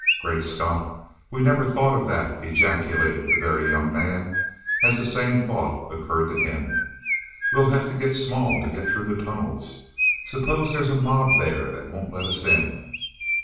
"Great Scott! We never thought of that," ejaculated the Very Young Man, as the same thought occurred to him. "We'll have to get small to get through the tunnels. Suppose there's a mob there that won't let us in?"